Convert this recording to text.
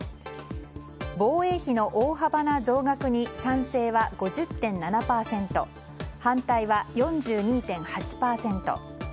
防衛費の大幅な増額に賛成は５０．７％反対は４２．８％。